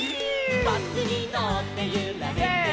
「バスにのってゆられてる」